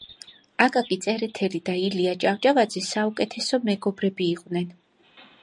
აკაკი წერეთელი და ილია ჭავჭავაძე საუკეთესო მეგობრები იყვნენ